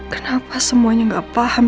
kenapa semuanya gak paham